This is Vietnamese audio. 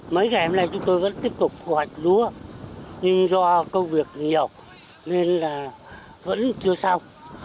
mấy ngày hôm nay chúng tôi vẫn tiếp tục thu hoạch lúa nhưng do công việc nhiều nên là vẫn chưa xong